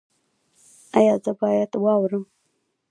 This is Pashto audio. ایا زه باید واورم؟